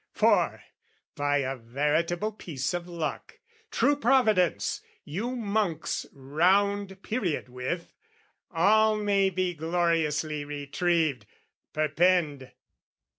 For, by a veritable piece of luck, True providence, you monks round period with, All may be gloriously retrieved. Perpend!